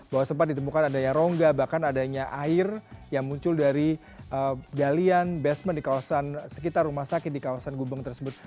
bahwa sempat ditemukan adanya rongga bahkan adanya air yang muncul dari galian basement di kawasan sekitar rumah sakit di kawasan gubeng tersebut